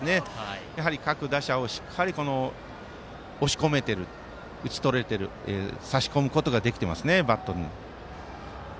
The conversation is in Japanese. やはり各打者をしっかり押し込めている打ち取れている差し込むことができていますね。